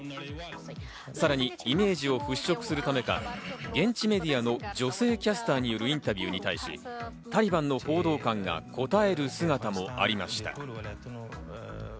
さらにイメージを払拭するためか、現地メディアの女性キャスターによるインタビューに対し、タリバンの報道官が答える姿もありました。